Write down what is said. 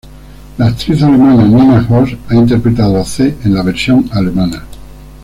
La actriz alemana Nina Hoss ha interpretado a "C" en la versión alemana.